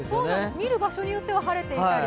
見る場所によっては晴れていたり。